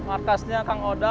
arkasnya kang odang